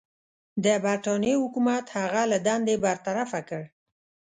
د برټانیې حکومت هغه له دندې برطرفه کړ.